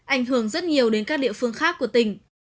ảnh hưởng rất nhiều đến các địa phương khác của tỉnh